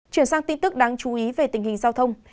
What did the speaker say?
chuyển sang tin tức đáng chú ý về tình hình giao thông